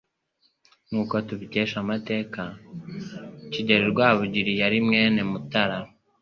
Nk' uko tubikesha amateka, Kigeli Rwabugili yari mwene Mutara